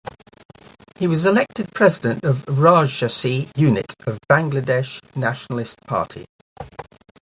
He was elected president of Rajshahi unit of Bangladesh Nationalist Party.